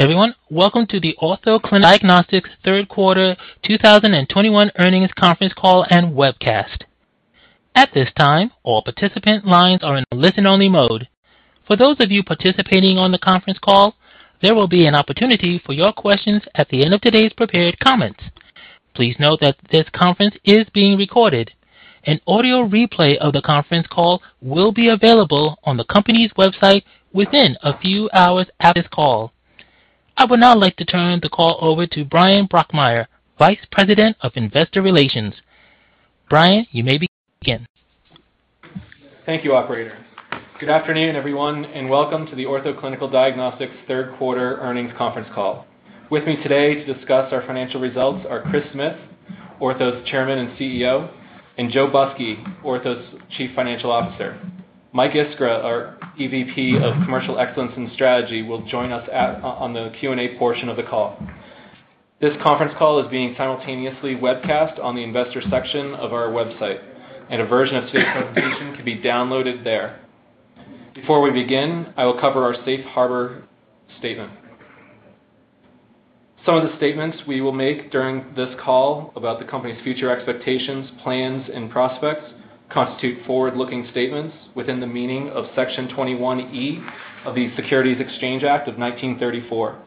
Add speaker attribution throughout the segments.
Speaker 1: Everyone, welcome to the Ortho Clinical Diagnostics Q3 2021 earnings conference call and webcast. At this time, all participant lines are in a listen-only mode. For those of you participating on the conference call, there will be an opportunity for your questions at the end of today's prepared comments. Please note that this conference is being recorded. An audio replay of the conference call will be available on the company's website within a few hours of this call. I would now like to turn the call over to Bryan Brokmeier, Vice President of Investor Relations. Brian, you may begin.
Speaker 2: Thank you, operator. Good afternoon, everyone, and welcome to the Ortho Clinical Diagnostics Q3 earnings conference call. With me today to discuss our financial results are Chris Smith, Ortho's Chairman and CEO, and Joe Busky, Ortho's Chief Financial Officer. Mike Iskra, our EVP of Commercial Excellence and Strategy, will join us on the Q&A portion of the call. This conference call is being simultaneously webcast on the investor section of our website, and a version of today's presentation can be downloaded there. Before we begin, I will cover our Safe Harbor statement. Some of the statements we will make during this call about the company's future expectations, plans, and prospects constitute forward-looking statements within the meaning of Section 21E of the Securities Exchange Act of 1934,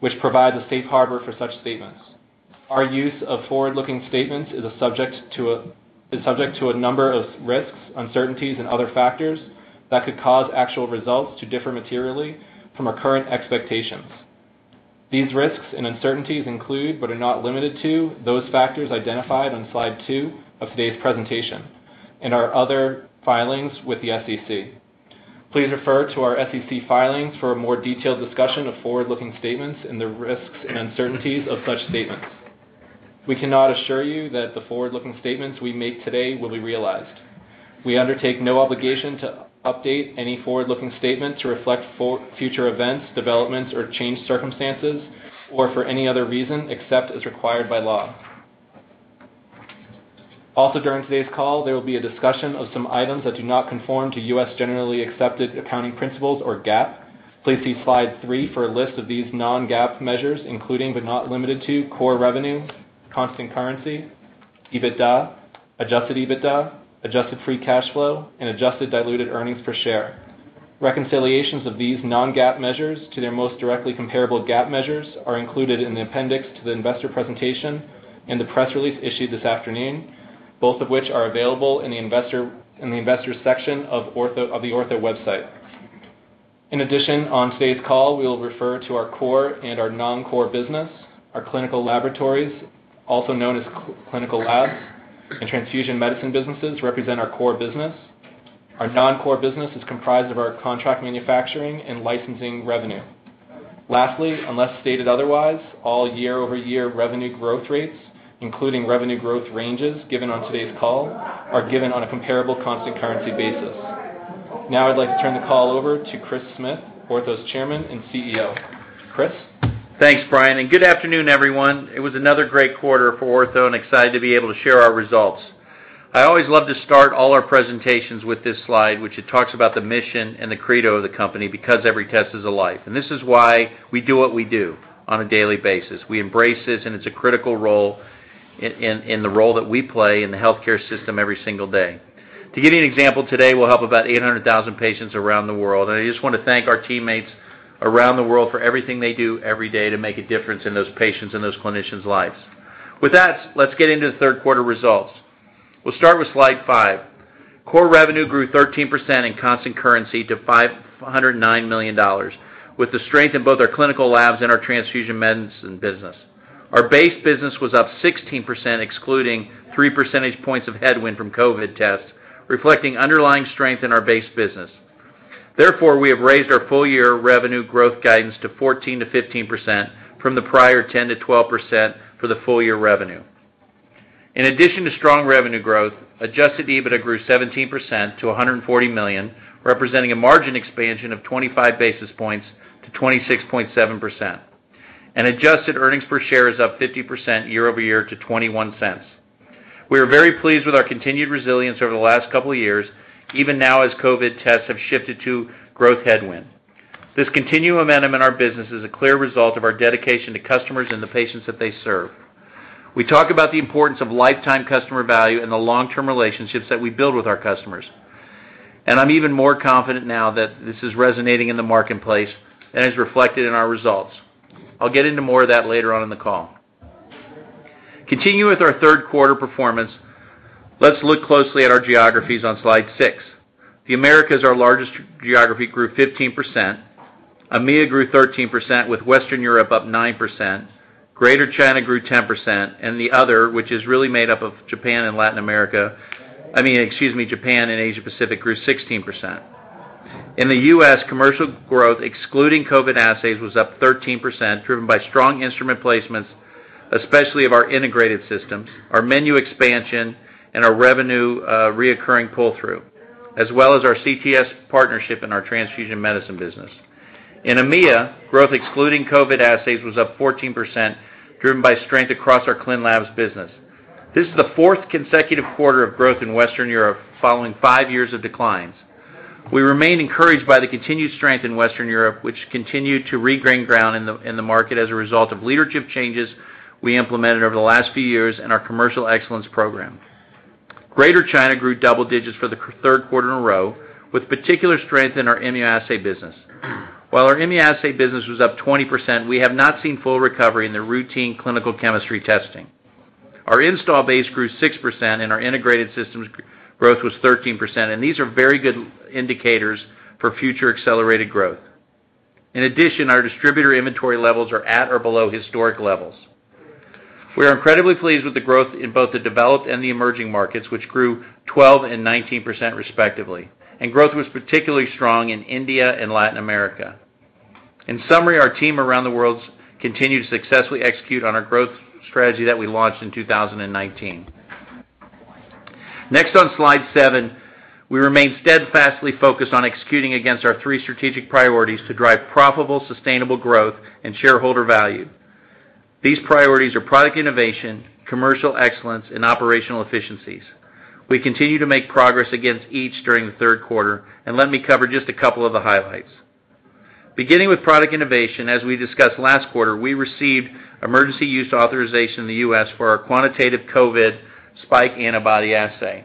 Speaker 2: which provides a Safe Harbor for such statements. Our use of forward-looking statements is subject to a number of risks, uncertainties and other factors that could cause actual results to differ materially from our current expectations. These risks and uncertainties include, but are not limited to, those factors identified on slide two of today's presentation and our other filings with the SEC. Please refer to our SEC filings for a more detailed discussion of forward-looking statements and the risks and uncertainties of such statements. We cannot assure you that the forward-looking statements we make today will be realized. We undertake no obligation to update any forward-looking statements to reflect future events, developments or changed circumstances, or for any other reason, except as required by law. Also, during today's call, there will be a discussion of some items that do not conform to U.S. generally accepted accounting principles or GAAP. Please see slide three for a list of these non-GAAP measures, including but not limited to core revenue, constant currency, EBITDA, adjusted EBITDA, adjusted free cash flow, and adjusted diluted earnings per share. Reconciliations of these non-GAAP measures to their most directly comparable GAAP measures are included in the appendix to the investor presentation and the press release issued this afternoon, both of which are available in the investors section of the Ortho website. In addition, on today's call, we will refer to our core and our non-core business. Our clinical laboratories, also known as clinical labs and transfusion medicine businesses, represent our core business. Our non-core business is comprised of our contract manufacturing and licensing revenue. Lastly, unless stated otherwise, all year-over-year revenue growth rates, including revenue growth ranges given on today's call, are given on a comparable constant currency basis. Now I'd like to turn the call over to Chris Smith, Ortho's Chairman and CEO. Chris?
Speaker 3: Thanks, Bryan, and good afternoon, everyone. It was another great quarter for Ortho, and I'm excited to be able to share our results. I always love to start all our presentations with this slide, which talks about the mission and the credo of the company, because every test is a life. This is why we do what we do on a daily basis. We embrace this, and it's a critical role in the role that we play in the healthcare system every single day. To give you an example, today, we'll help about 800,000 patients around the world. I just want to thank our teammates around the world for everything they do every day to make a difference in those patients and those clinicians' lives. With that, let's get into the Q3 results. We'll start with slide five. Core revenue grew 13% in constant currency to $509 million, with the strength in both our clinical labs and our transfusion medicine business. Our base business was up 16%, excluding three percentage points of headwind from COVID tests, reflecting underlying strength in our base business. Therefore, we have raised our full-year revenue growth guidance to 14%-15% from the prior 10%-12% for the full-year revenue. In addition to strong revenue growth, adjusted EBITDA grew 17% to $140 million, representing a margin expansion of 25 basis points to 26.7%. Adjusted earnings per share is up 50% year-over-year to $0.21. We are very pleased with our continued resilience over the last couple of years, even now as COVID tests have shifted to growth headwind. This continued momentum in our business is a clear result of our dedication to customers and the patients that they serve. We talk about the importance of lifetime customer value and the long-term relationships that we build with our customers, and I'm even more confident now that this is resonating in the marketplace and is reflected in our results. I'll get into more of that later on in the call. Continuing with our Q3 performance, let's look closely at our geographies on slide six. The Americas, our largest geography, grew 15%. EMEA grew 13%, with Western Europe up 9%. Greater China grew 10%. The other, which is really made up of Japan and Latin America, I mean, excuse me, Japan and Asia Pacific, grew 16%. In the U.S., commercial growth excluding COVID assays was up 13%, driven by strong instrument placements, especially of our integrated systems, our menu expansion, and our revenue recurring pull-through, as well as our CTS partnership in our transfusion medicine business. In EMEA, growth excluding COVID assays was up 14%, driven by strength across our clin labs business. This is the fourth consecutive quarter of growth in Western Europe following five years of declines. We remain encouraged by the continued strength in Western Europe, which continued to regain ground in the market as a result of leadership changes we implemented over the last few years and our commercial excellence program. Greater China grew double digits for the Q3 in a row, with particular strength in our immunoassay business. While our immunoassay business was up 20%, we have not seen full recovery in the routine clinical chemistry testing. Our install base grew 6% and our integrated systems growth was 13%, and these are very good indicators for future accelerated growth. In addition, our distributor inventory levels are at or below historic levels. We are incredibly pleased with the growth in both the developed and the emerging markets, which grew 12% and 19% respectively, and growth was particularly strong in India and Latin America. In summary, our team around the world continued to successfully execute on our growth strategy that we launched in 2019. Next on slide seven, we remain steadfastly focused on executing against our three strategic priorities to drive profitable, sustainable growth and shareholder value. These priorities are product innovation, commercial excellence, and operational efficiencies. We continue to make progress against each during the Q3, and let me cover just a couple of the highlights. Beginning with product innovation, as we discussed last quarter, we received emergency use authorization in the U.S. for our quantitative COVID spike antibody assay.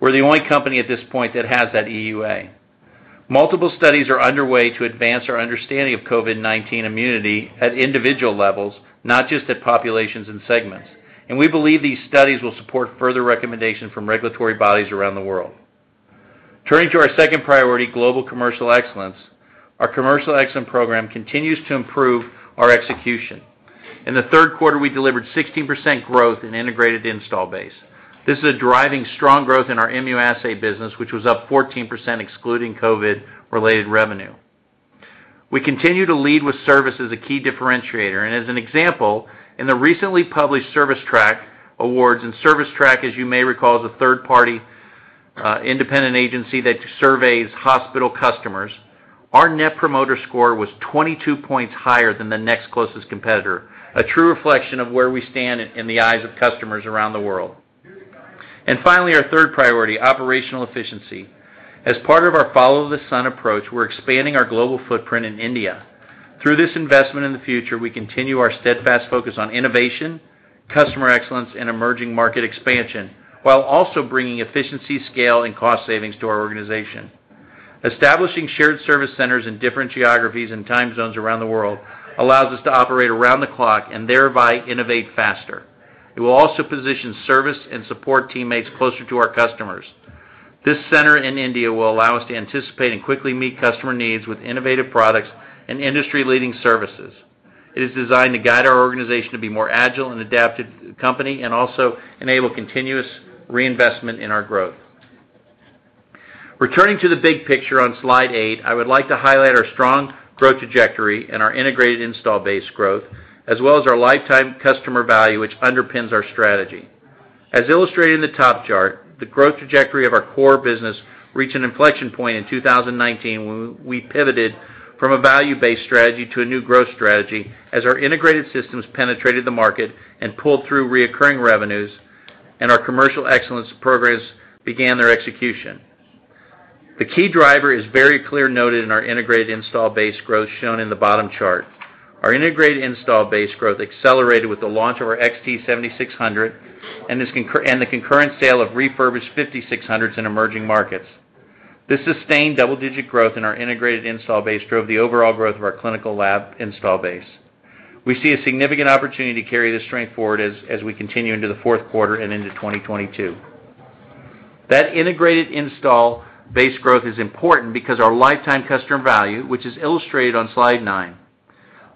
Speaker 3: We're the only company at this point that has that EUA. Multiple studies are underway to advance our understanding of COVID-19 immunity at individual levels, not just at populations and segments. We believe these studies will support further recommendation from regulatory bodies around the world. Turning to our second priority, global commercial excellence. Our commercial excellence program continues to improve our execution. In the Q3, we delivered 16% growth in integrated install base. This is driving strong growth in our immunoassay business, which was up 14% excluding COVID-related revenue. We continue to lead with service as a key differentiator, and as an example, in the recently published ServiceTrak awards, and ServiceTrak, as you may recall, is a third-party, independent agency that surveys hospital customers. Our net promoter score was 22 points higher than the next closest competitor, a true reflection of where we stand in the eyes of customers around the world. Finally, our third priority, operational efficiency. As part of our follow the sun approach, we're expanding our global footprint in India. Through this investment in the future, we continue our steadfast focus on innovation, customer excellence, and emerging market expansion, while also bringing efficiency, scale, and cost savings to our organization. Establishing shared service centers in different geographies and time zones around the world allows us to operate around the clock and thereby innovate faster. It will also position service and support teammates closer to our customers. This center in India will allow us to anticipate and quickly meet customer needs with innovative products and industry-leading services. It is designed to guide our organization to be more agile and adaptive company and also enable continuous reinvestment in our growth. Returning to the big picture on slide eight, I would like to highlight our strong growth trajectory and our integrated installed base growth, as well as our lifetime customer value, which underpins our strategy. As illustrated in the top chart, the growth trajectory of our core business reached an inflection point in 2019, when we pivoted from a value-based strategy to a new growth strategy as our integrated systems penetrated the market and pulled through recurring revenues and our commercial excellence programs began their execution. The key driver is very clear noted in our integrated install base growth shown in the bottom chart. Our integrated install base growth accelerated with the launch of our XT 7600 and the concurrent sale of refurbished 5600s in emerging markets. This sustained double-digit growth in our integrated install base drove the overall growth of our clinical lab install base. We see a significant opportunity to carry this strength forward as we continue into the Q4 and into 2022. That integrated install base growth is important because our lifetime customer value, which is illustrated on slide nine,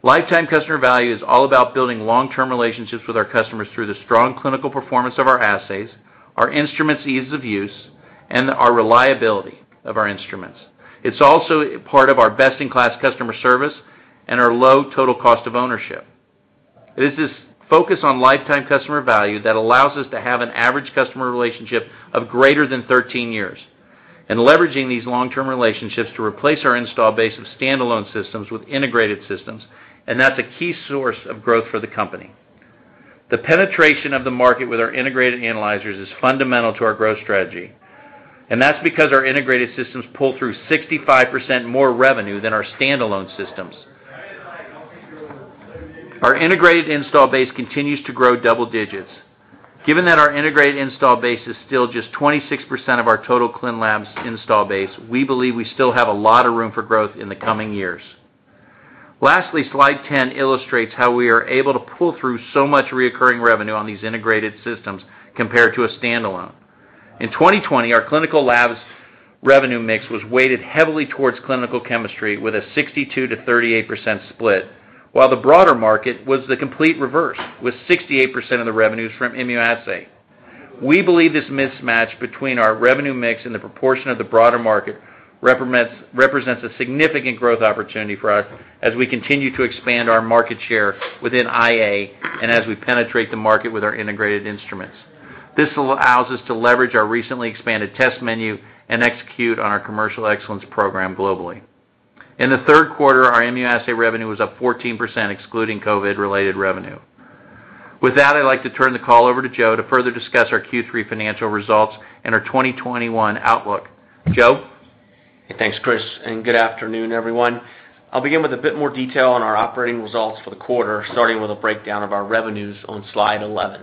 Speaker 3: is all about building long-term relationships with our customers through the strong clinical performance of our assays, our instruments' ease of use, and our reliability of our instruments. It's also part of our best-in-class customer service and our low total cost of ownership. It is this focus on lifetime customer value that allows us to have an average customer relationship of greater than 13 years. Leveraging these long-term relationships to replace our install base of standalone systems with integrated systems, and that's a key source of growth for the company. The penetration of the market with our integrated analyzers is fundamental to our growth strategy, and that's because our integrated systems pull through 65% more revenue than our standalone systems. Our integrated install base continues to grow double digits. Given that our integrated install base is still just 26% of our total clin labs install base, we believe we still have a lot of room for growth in the coming years. Lastly, slide 10 illustrates how we are able to pull through so much recurring revenue on these integrated systems compared to a standalone. In 2020, our clinical labs revenue mix was weighted heavily towards clinical chemistry with a 62%-38% split, while the broader market was the complete reverse, with 68% of the revenues from immunoassay. We believe this mismatch between our revenue mix and the proportion of the broader market represents a significant growth opportunity for us as we continue to expand our market share within IA and as we penetrate the market with our integrated instruments. This allows us to leverage our recently expanded test menu and execute on our commercial excellence program globally. In the Q3, our immunoassay revenue was up 14%, excluding COVID-related revenue. With that, I'd like to turn the call over to Joe to further discuss our Q3 financial results and our 2021 outlook. Joe?
Speaker 4: Hey. Thanks, Chris, and good afternoon, everyone. I'll begin with a bit more detail on our operating results for the quarter, starting with a breakdown of our revenues on Slide 11.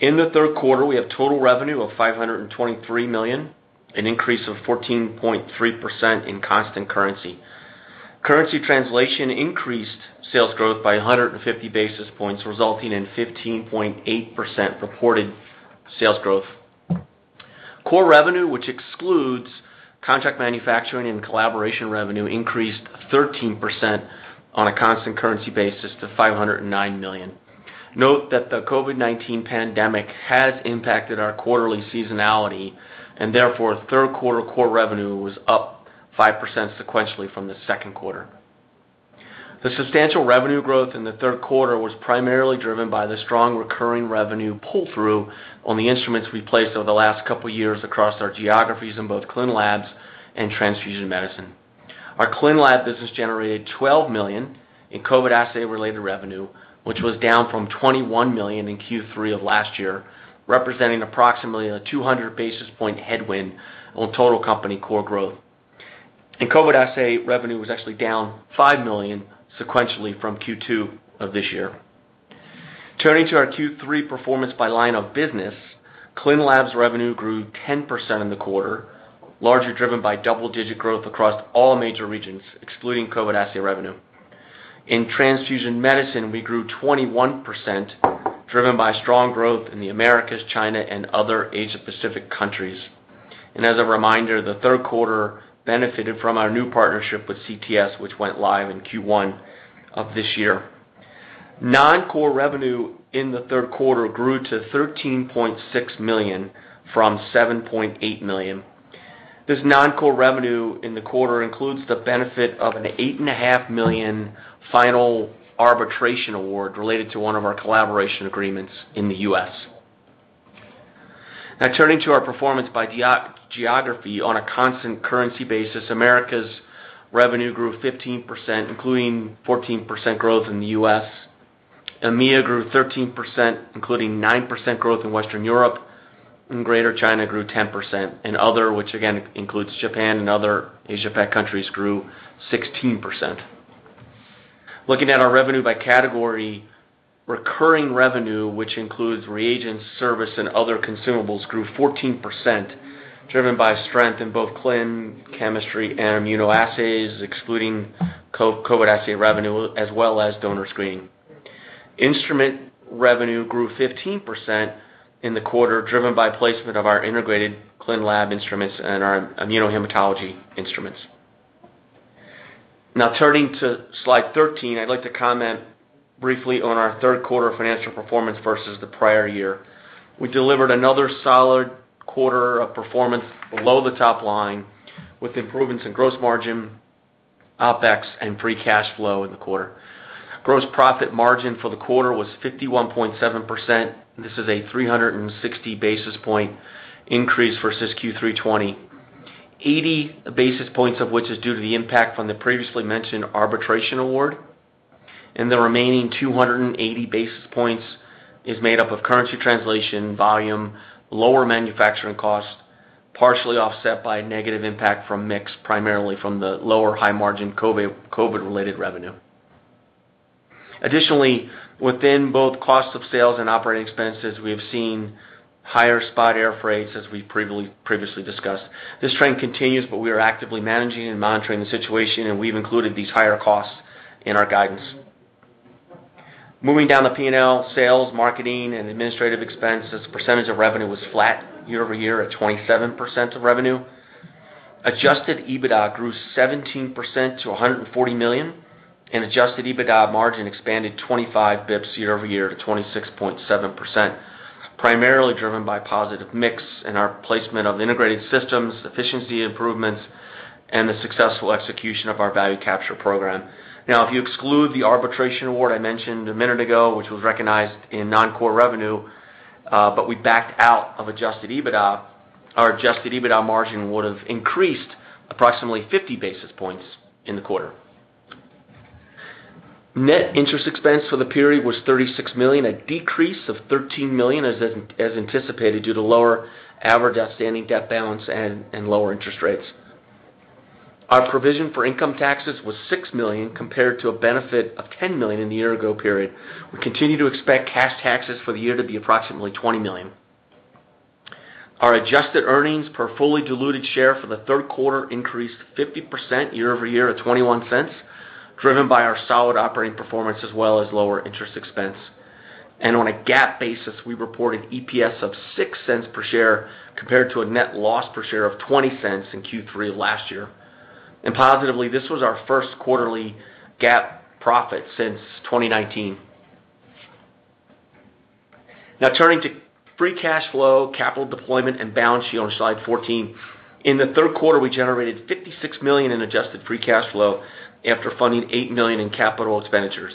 Speaker 4: In the Q3, we have total revenue of $523 million, an increase of 14.3% in constant currency. Currency translation increased sales growth by 150 basis points, resulting in 15.8% reported sales growth. Core revenue, which excludes contract manufacturing and collaboration revenue, increased 13% on a constant currency basis to $509 million. Note that the COVID-19 pandemic has impacted our quarterly seasonality, and therefore, Q3 core revenue was up 5% sequentially from the Q2. The substantial revenue growth in the Q3 was primarily driven by the strong recurring revenue pull-through on the instruments we placed over the last couple years across our geographies in both clin labs and transfusion medicine. Our clin labs business generated $12 million in COVID assay-related revenue, which was down from $21 million in Q3 of last year, representing approximately 200 basis points headwind on total company core growth. COVID assay revenue was actually down $5 million sequentially from Q2 of this year. Turning to our Q3 performance by line of business, clin labs revenue grew 10% in the quarter, largely driven by double-digit growth across all major regions, excluding COVID assay revenue. In transfusion medicine, we grew 21%, driven by strong growth in the Americas, China, and other Asia Pacific countries. As a reminder, the Q3 benefited from our new partnership with CTS, which went live in Q1 of this year. Non-core revenue in the Q3 grew to $13.6 million from $7.8 million. This non-core revenue in the quarter includes the benefit of an $8.5 million final arbitration award related to one of our collaboration agreements in the U.S. Now, turning to our performance by geography on a constant currency basis, Americas revenue grew 15%, including 14% growth in the U.S. EMEA grew 13%, including 9% growth in Western Europe, and Greater China grew 10%. Other, which again, includes Japan and other Asia Pac countries, grew 16%. Looking at our revenue by category, recurring revenue, which includes reagents, service, and other consumables, grew 14%, driven by strength in both clin chemistry and immunoassays, excluding COVID assay revenue, as well as donor screening. Instrument revenue grew 15% in the quarter, driven by placement of our integrated clin lab instruments and our immunohematology instruments. Now, turning to Slide 13, I'd like to comment briefly on our Q3 financial performance versus the prior year. We delivered another solid quarter of performance below the top line, with improvements in gross margin, OpEx, and free cash flow in the quarter. Gross profit margin for the quarter was 51.7%. This is a 360 basis point increase versus Q3 2020. 80 basis points of which is due to the impact from the previously mentioned arbitration award, and the remaining 280 basis points is made up of currency translation, volume, lower manufacturing cost, partially offset by a negative impact from mix, primarily from the lower high-margin COVID-related revenue. Additionally, within both cost of sales and operating expenses, we have seen higher spot air freight, as we previously discussed. This trend continues, but we are actively managing and monitoring the situation, and we've included these higher costs in our guidance. Moving down the P&L, sales, marketing, and administrative expenses percentage of revenue was flat year-over-year at 27% of revenue. Adjusted EBITDA grew 17% to $140 million, and adjusted EBITDA margin expanded 25 basis points year-over-year to 26.7%, primarily driven by positive mix in our placement of integrated systems, efficiency improvements, and the successful execution of our Value Capture Program. Now, if you exclude the arbitration award I mentioned a minute ago, which was recognized in non-core revenue, but we backed out of adjusted EBITDA, our adjusted EBITDA margin would have increased approximately 50 basis points in the quarter. Net interest expense for the period was $36 million, a decrease of $13 million as anticipated, due to lower average outstanding debt balance and lower interest rates. Our provision for income taxes was $6 million, compared to a benefit of $10 million in the year-ago period. We continue to expect cash taxes for the year to be approximately $20 million. Our adjusted earnings per fully diluted share for the Q3 increased 50% year-over-year at $0.21, driven by our solid operating performance as well as lower interest expense. On a GAAP basis, we reported EPS of $0.06 per share compared to a net loss per share of $0.20 in Q3 last year. Positively, this was our first quarterly GAAP profit since 2019. Now, turning to free cash flow, capital deployment, and balance sheet on slide 14. In the Q3, we generated $56 million in adjusted free cash flow after funding $8 million in capital expenditures.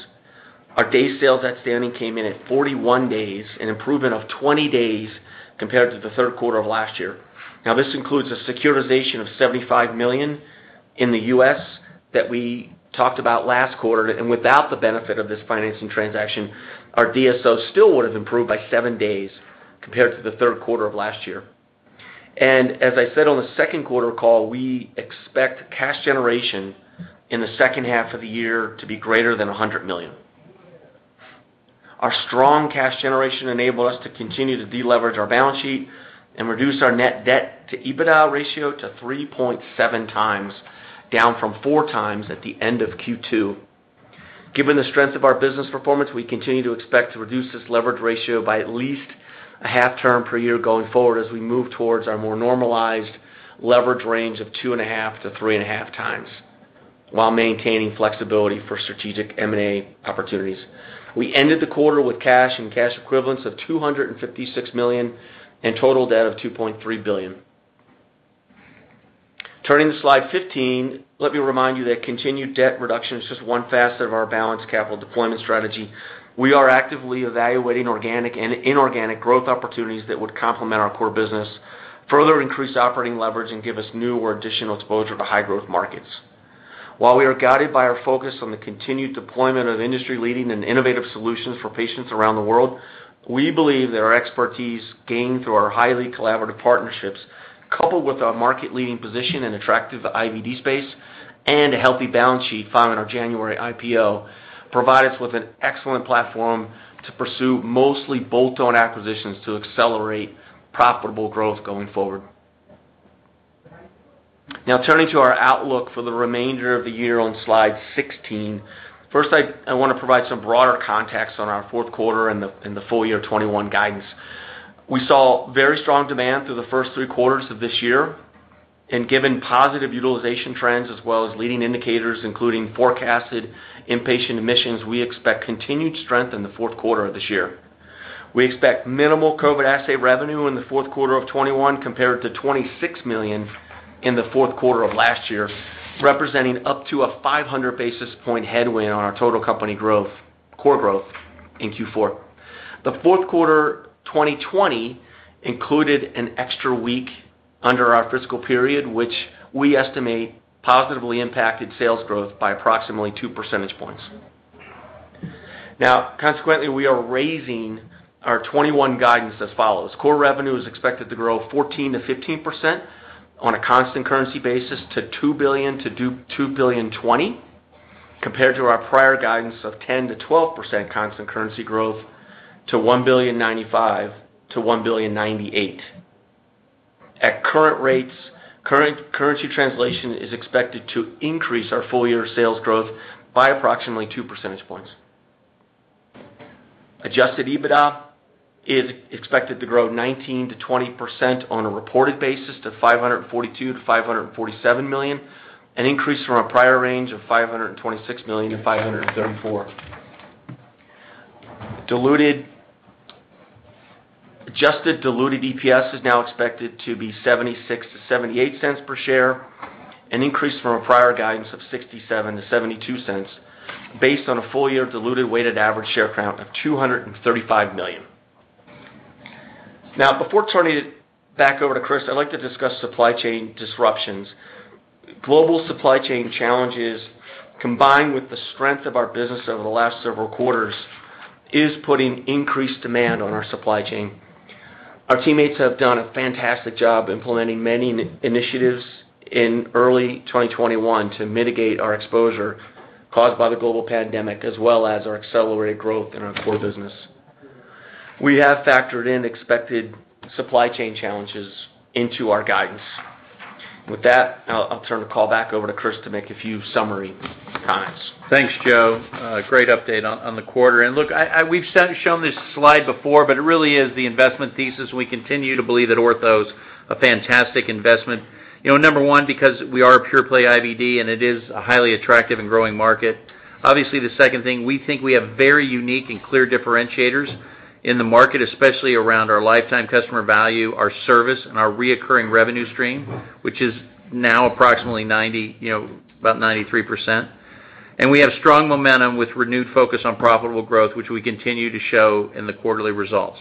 Speaker 4: Our days sales outstanding came in at 41 days, an improvement of 20 days compared to the Q3 of last year. Now, this includes a securitization of $75 million in the U.S. that we talked about last quarter. Without the benefit of this financing transaction, our DSO still would have improved by seven days compared to the Q3 of last year. As I said on the Q2 call, we expect cash generation in the H2 of the year to be greater than $100 million. Our strong cash generation enable us to continue to deleverage our balance sheet and reduce our net debt to EBITDA ratio to 3.7x, down from 4x at the end of Q2. Given the strength of our business performance, we continue to expect to reduce this leverage ratio by at least half a turn per year going forward as we move towards our more normalized leverage range of 2.5x-3.5x, while maintaining flexibility for strategic M&A opportunities. We ended the quarter with cash and cash equivalents of $256 million and total debt of $2.3 billion. Turning to slide 15, let me remind you that continued debt reduction is just one facet of our balanced capital deployment strategy. We are actively evaluating organic and inorganic growth opportunities that would complement our core business, further increase operating leverage, and give us new or additional exposure to high-growth markets. While we are guided by our focus on the continued deployment of industry-leading and innovative solutions for patients around the world, we believe that our expertise gained through our highly collaborative partnerships, coupled with our market-leading position in attractive IVD space and a healthy balance sheet filed in our January IPO, provide us with an excellent platform to pursue mostly bolt-on acquisitions to accelerate profitable growth going forward. Now turning to our outlook for the remainder of the year on slide 16. First, I want to provide some broader context on our Q4 and the full year 2021 guidance. We saw very strong demand through the first three quarters of this year, and given positive utilization trends as well as leading indicators, including forecasted inpatient admissions, we expect continued strength in the Q4 of this year. We expect minimal COVID assay revenue in the Q4 of 2021 compared to $26 million in the Q4 of last year, representing up to 500 basis points headwind on our total company growth, core growth in Q4. The Q4 2020 included an extra week under our fiscal period, which we estimate positively impacted sales growth by approximately two percentage points. Consequently, we are raising our 2021 guidance as follows: Core revenue is expected to grow 14%-15% on a constant currency basis to $2 billion-$2.02 billion, compared to our prior guidance of 10%-12% constant currency growth to $1.095 billion-$1.098 billion. At current rates, FX currency translation is expected to increase our full-year sales growth by approximately two percentage points. Adjusted EBITDA is expected to grow 19%-20% on a reported basis to $542 million-$547 million, an increase from our prior range of $526 million-$534 million. Adjusted diluted EPS is now expected to be $0.76-$0.78 per share, an increase from our prior guidance of $0.67-$0.72 based on a full-year diluted weighted average share count of 235 million. Now, before turning it back over to Chris, I'd like to discuss supply chain disruptions. Global supply chain challenges, combined with the strength of our business over the last several quarters, is putting increased demand on our supply chain. Our teammates have done a fantastic job implementing many initiatives in early 2021 to mitigate our exposure caused by the global pandemic as well as our accelerated growth in our core business. We have factored in expected supply chain challenges into our guidance. With that, I'll turn the call back over to Chris to make a few summary comments.
Speaker 3: Thanks, Joe. Great update on the quarter. Look, we've shown this slide before, but it really is the investment thesis. We continue to believe that Ortho is a fantastic investment, you know, number one, because we are a pure-play IVD, and it is a highly attractive and growing market. Obviously, the second thing, we think we have very unique and clear differentiators in the market, especially around our lifetime customer value, our service, and our recurring revenue stream, which is now approximately ninety, you know, about 93%. We have strong momentum with renewed focus on profitable growth, which we continue to show in the quarterly results.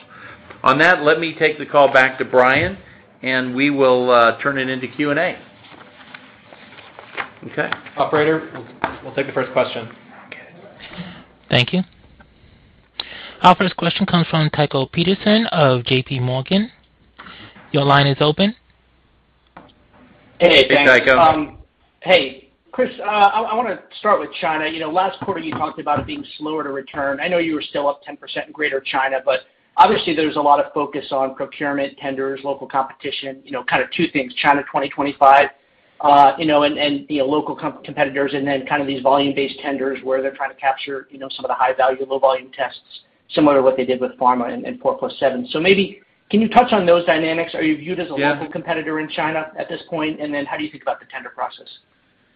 Speaker 3: On that, let me take the call back to Bryan, and we will turn it into Q&A. Okay.
Speaker 4: Operator, we'll take the first question.
Speaker 1: Thank you. Our first question comes from Tycho Peterson of JP Morgan. Your line is open.
Speaker 3: Hey, Tycho.
Speaker 5: Hey, Chris, I want to start with China. You know, last quarter you talked about it being slower to return. I know you were still up 10% in Greater China, but obviously there's a lot of focus on procurement, tenders, local competition, you know, kind of two things, Made in China 2025, and local competitors and then kind of these volume-based tenders where they're trying to capture, you know, some of the high-value, low-volume tests, similar to what they did with pharma and 4+7. So maybe can you touch on those dynamics? Are you viewed as.
Speaker 3: Yeah.
Speaker 5: Is there a local competitor in China at this point? How do you think about the tender process?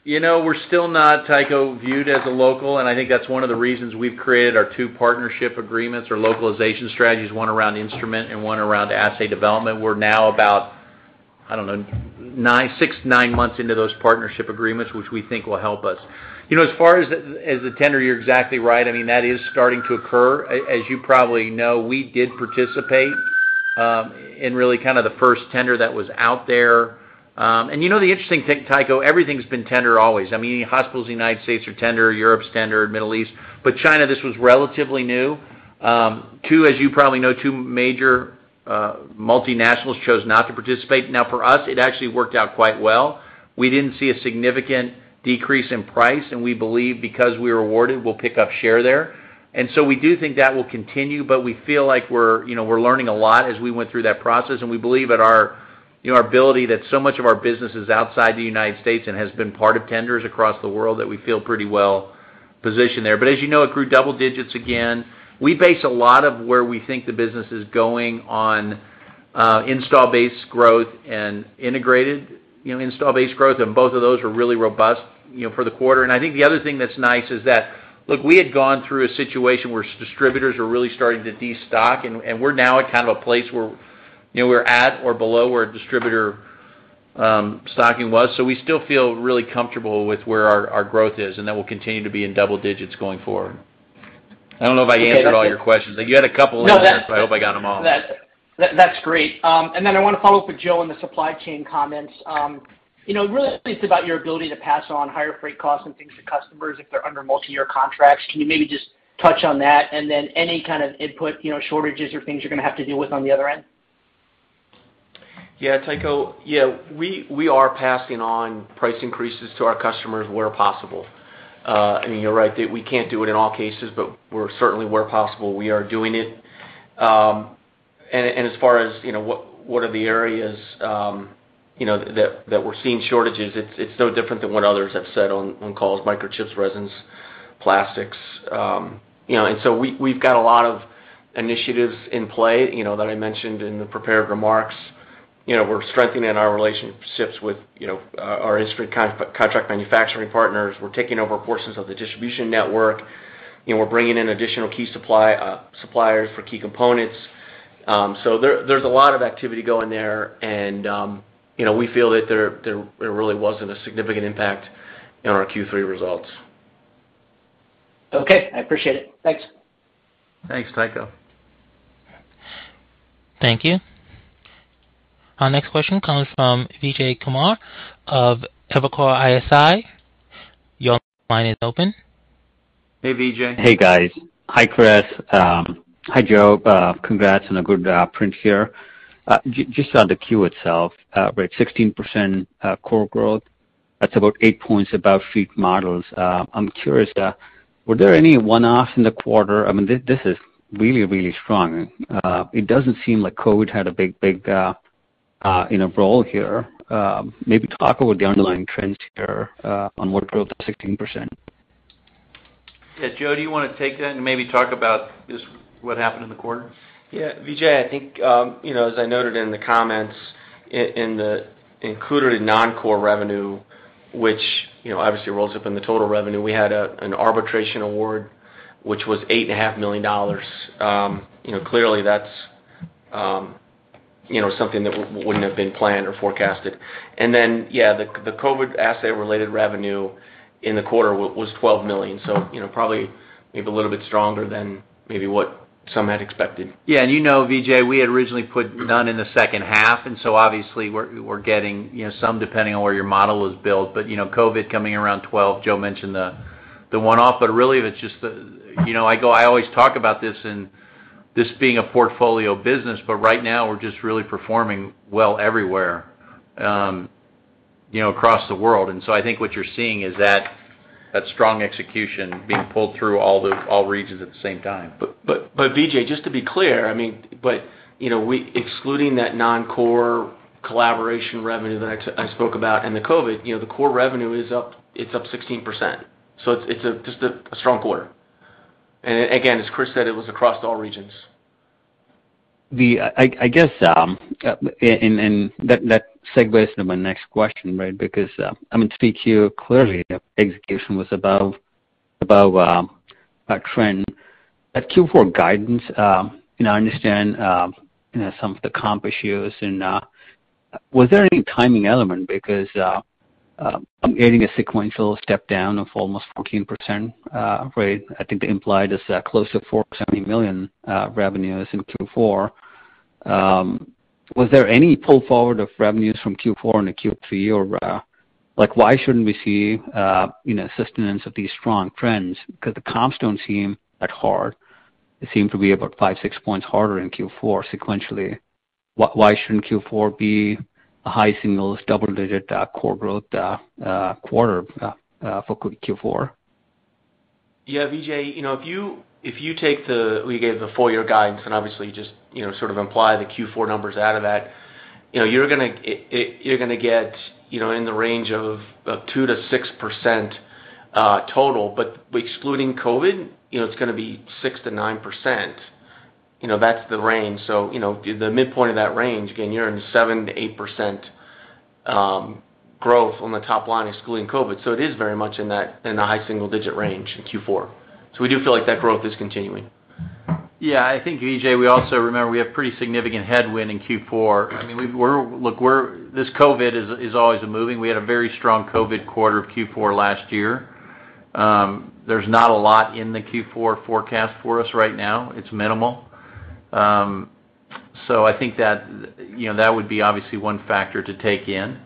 Speaker 3: You know, we're still not, Tycho, viewed as a local, and I think that's one of the reasons we've created our two partnership agreements or localization strategies, one around instrument and one around assay development. We're now about, I don't know, six to nine months into those partnership agreements, which we think will help us. You know, as far as the tender, you're exactly right. I mean, that is starting to occur. As you probably know, we did participate in really kind of the first tender that was out there. You know the interesting thing, Tycho, everything's been tender always. I mean, hospitals in United States are tender, Europe's tender, Middle East, but China, this was relatively new. As you probably know, two major multinationals chose not to participate. Now, for us, it actually worked out quite well. We didn't see a significant decrease in price, and we believe because we were awarded, we'll pick up share there. We do think that will continue, but we feel like we're, you know, we're learning a lot as we went through that process, and we believe that our, you know, our ability that so much of our business is outside the United States and has been part of tenders across the world, that we feel pretty well positioned there. As you know, it grew double digits again. We base a lot of where we think the business is going on installed-base growth and integrated, you know, installed-base growth, and both of those are really robust, you know, for the quarter. I think the other thing that's nice is that, look, we had gone through a situation where our distributors were really starting to destock, and we're now at kind of a place where, you know, we're at or below where distributor stocking was. So we still feel really comfortable with where our growth is, and that will continue to be in double digits going forward. I don't know if I answered all your questions. You had a couple in there, so I hope I got them all.
Speaker 5: That's great. I want to follow up with Joe on the supply chain comments. You know, really it's about your ability to pass on higher freight costs and things to customers if they're under multi-year contracts. Can you maybe just touch on that? Any kind of input, you know, shortages or things you're going to have to deal with on the other end?
Speaker 4: Yeah, Tycho. Yeah, we are passing on price increases to our customers where possible. I mean, you're right, that we can't do it in all cases, but we're certainly where possible, we are doing it. And as far as, you know, what are the areas, you know, that we're seeing shortages, it's no different than what others have said on calls, microchips, resins, plastics. You know, and so we've got a lot of initiatives in play, you know, that I mentioned in the prepared remarks. You know, we're strengthening our relationships with, you know, our industry contract manufacturing partners. We're taking over portions of the distribution network. You know, we're bringing in additional key suppliers for key components. There's a lot of activity going there and, you know, we feel that there really wasn't a significant impact in our Q3 results.
Speaker 5: Okay, I appreciate it. Thanks.
Speaker 3: Thanks, Tycho.
Speaker 1: Thank you. Our next question comes from Vijay Kumar of Evercore ISI. Your line is open.
Speaker 3: Hey, Vijay.
Speaker 6: Hey, guys. Hi, Chris. Hi, Joe. Congrats on a good print here. Just on the Q itself, right, 16% core growth. That's about eight points above street models. I'm curious, were there any one-offs in the quarter? I mean, this is really strong. It doesn't seem like COVID had a big role here, you know. Maybe talk about the underlying trends here on what growth of 16%.
Speaker 3: Yeah. Joe, do you want to take that and maybe talk about just what happened in the quarter?
Speaker 4: Yeah. Vijay, I think, you know, as I noted in the comments in the included non-core revenue, which, you know, obviously rolls up in the total revenue, we had an arbitration award which was $8.5 Million. You know, clearly that's, you know, something that wouldn't have been planned or forecasted. Yeah, the COVID assay related revenue in the quarter was $12 million. You know, probably maybe a little bit stronger than maybe what some had expected.
Speaker 3: Yeah. You know, Vijay, we had originally put none in the H2, and so obviously we're getting, you know, some depending on where your model is built. You know, COVID coming around 12. Joe mentioned the one-off. You know, I always talk about this being a portfolio business, but right now we're just really performing well everywhere, you know, across the world. I think what you're seeing is that strong execution being pulled through all the regions at the same time.
Speaker 4: Vijay, just to be clear, I mean, but, you know, we excluding that non-core collaboration revenue that I spoke about in the COVID, you know, the core revenue is up, it's up 16%. It's just a strong quarter. Again, as Chris said, it was across all regions.
Speaker 6: I guess that segues to my next question, right? Because I mean, 3Q clearly execution was above our trend. At Q4 guidance, you know, I understand, you know, some of the comp issues and was there any timing element? Because getting a sequential step down of almost 14% rate, I think they implied is that close to $470 million revenues in Q4. Was there any pull forward of revenues from Q4 into Q3? Or, like, why shouldn't we see, you know, sustenance of these strong trends? Because the comps don't seem that hard. They seem to be about five, six points harder in Q4 sequentially. Why shouldn't Q4 be a high single-digit, double-digit core growth quarter for Q4?
Speaker 4: Yeah. Vijay, you know, if you take the full year guidance we gave and obviously just, you know, sort of imply the Q4 numbers out of that, you know, you're going to get, you know, in the range of 2%-6% total. Excluding COVID, you know, it's going to be 6%-9%. You know, that's the range. You know, the midpoint of that range, again, you're in 7%-8% growth on the top line, excluding COVID. It is very much in that, in the high single digit range in Q4. We do feel like that growth is continuing.
Speaker 3: Yeah, I think, Vijay, we also remember we have pretty significant headwind in Q4. I mean, look, this COVID is always moving. We had a very strong COVID quarter of Q4 last year. There's not a lot in the Q4 forecast for us right now. It's minimal. I think that, you know, that would be obviously one factor to take in.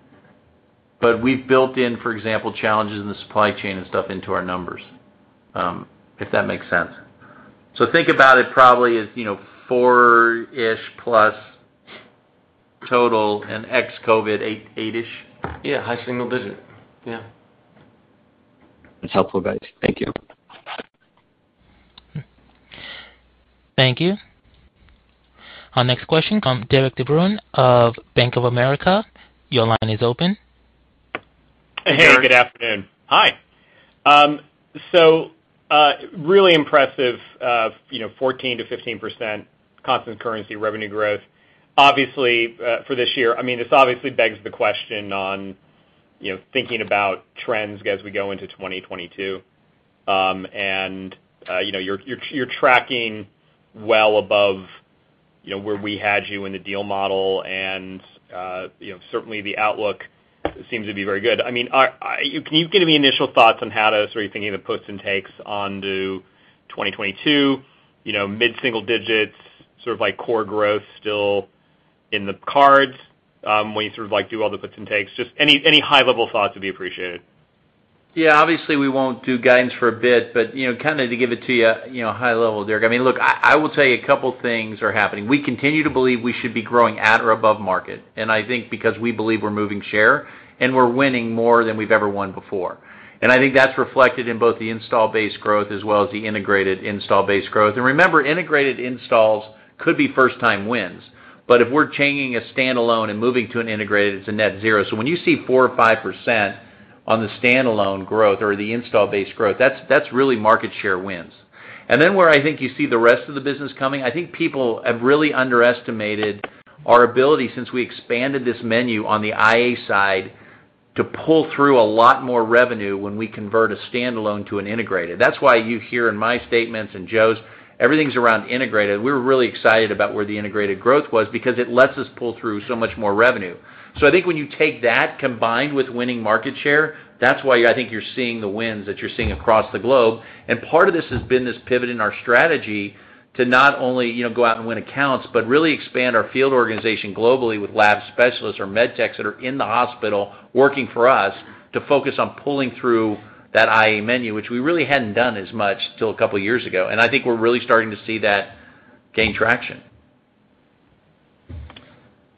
Speaker 3: We've built in, for example, challenges in the supply chain and stuff into our numbers, if that makes sense. Think about it probably as, you know, 4-ish%+ total and ex-COVID, 8-ish%.
Speaker 7: Yeah, high single-digit. Yeah.
Speaker 6: That's helpful, guys. Thank you.
Speaker 1: Thank you. Our next question comes from Derik De Bruin of Bank of America. Your line is open.
Speaker 8: Hey, good afternoon. Hi. Really impressive, you know, 14%-15% constant currency revenue growth obviously for this year. I mean, this obviously begs the question on, you know, thinking about trends as we go into 2022. You know, you're tracking well above, you know, where we had you in the deal model and, you know, certainly the outlook seems to be very good. I mean, can you give any initial thoughts on how to sort of think about the puts and takes into 2022, you know, mid-single digits, sort of like core growth still in the cards, when you sort of like do all the puts and takes? Just any high-level thoughts would be appreciated.
Speaker 3: Yeah. Obviously, we won't do guidance for a bit, but, you know, kind of to give it to you know, high level, Derik. I mean, look, I will tell you a couple things are happening. We continue to believe we should be growing at or above market, and I think because we believe we're moving share and we're winning more than we've ever won before. I think that's reflected in both the install base growth as well as the integrated install base growth. Remember, integrated installs could be first time wins. If we're changing a stand-alone and moving to an integrated, it's a net zero. When you see 4% or 5% on the stand-alone growth or the install base growth, that's really market share wins. Where I think you see the rest of the business coming, I think people have really underestimated our ability since we expanded this menu on the IA side to pull through a lot more revenue when we convert a stand-alone to an integrated. That's why you hear in my statements and Joe's, everything's around integrated. We're really excited about where the integrated growth was because it lets us pull through so much more revenue. I think when you take that combined with winning market share, that's why I think you're seeing the wins that you're seeing across the globe. Part of this has been this pivot in our strategy to not only, you know, go out and win accounts, but really expand our field organization globally with lab specialists or med techs that are in the hospital working for us to focus on pulling through that IA menu, which we really hadn't done as much till a couple years ago. I think we're really starting to see that gain traction.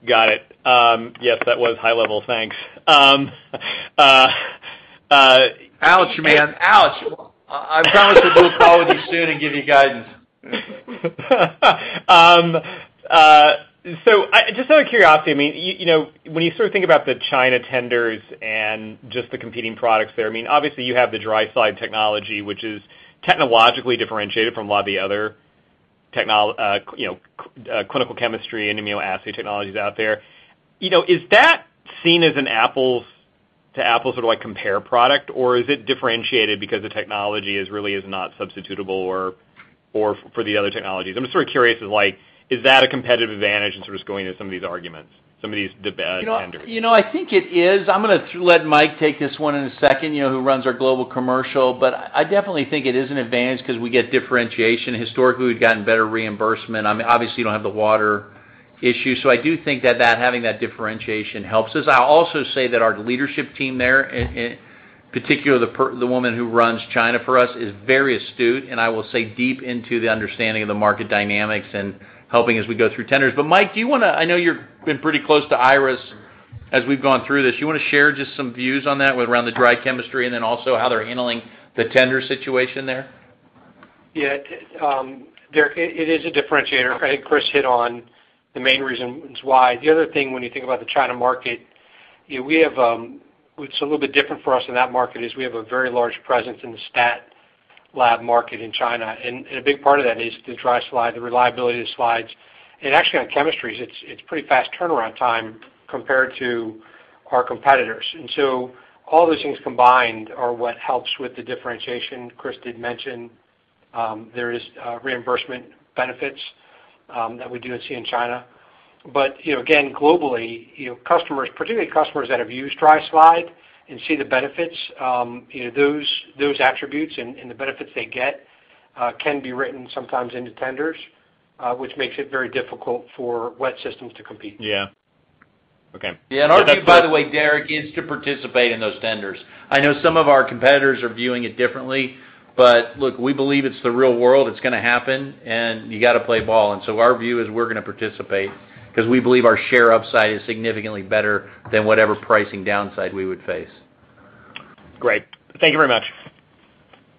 Speaker 8: Got it. Yes, that was high level. Thanks.
Speaker 3: Ouch, man. Ouch. I promise we'll follow with you soon and give you guidance.
Speaker 8: Just out of curiosity, I mean, you know, when you sort of think about the China tenders and just the competing products there, I mean, obviously you have the dry slide technology, which is technologically differentiated from a lot of the other clinical chemistry and immunoassay technologies out there. You know, is that seen as an apples to apples sort of like comparable product, or is it differentiated because the technology really is not substitutable or for the other technologies? I'm just sort of curious as like, is that a competitive advantage in sort of going into some of these arguments, some of these debate tenders?
Speaker 3: You know, I think it is. I'm going to let Mike take this one in a second, you know, who runs our global commercial. I definitely think it is an advantage because we get differentiation. Historically, we've gotten better reimbursement. Obviously, you don't have the water issue. I do think that having that differentiation helps us. I'll also say that our leadership team there, and particularly the woman who runs China for us, is very astute, and I will say deep into the understanding of the market dynamics and helping as we go through tenders. Mike, do you want to. I know you've been pretty close to Iris as we've gone through this. You want to share just some views on that regarding the dry chemistry and then also how they're handling the tender situation there?
Speaker 7: Yeah. Derik, it is a differentiator. I think Chris hit on the main reasons why. The other thing when you think about the China market, you know, we have what's a little bit different for us in that market is we have a very large presence in the stat lab market in China. A big part of that is the dry slide, the reliability of the slides. Actually, on chemistries, it's pretty fast turnaround time compared to our competitors. All those things combined are what helps with the differentiation. Chris did mention there is reimbursement benefits that we do see in China. You know, again, globally, you know, customers, particularly customers that have used dry slide and see the benefits, you know, those attributes and the benefits they get can be written sometimes into tenders, which makes it very difficult for wet systems to compete.
Speaker 8: Yeah. Okay.
Speaker 3: Yeah. Our view, by the way, Derik, is to participate in those tenders. I know some of our competitors are viewing it differently, but look, we believe it's the real world, it's going to happen, and you gotta play ball. Our view is we're going to participate because we believe our share upside is significantly better than whatever pricing downside we would face.
Speaker 8: Great. Thank you very much.